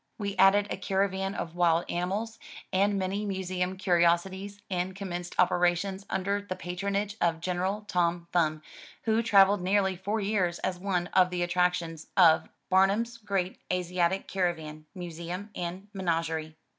We added a caravan of wild animals and many museum curiosities and commenced operations under the patronage of General Tom Thumb, who traveled nearly four years as one of the attractions of "Bamum's Great Asiatic Caravan, Museum and Menagerie.